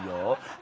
あ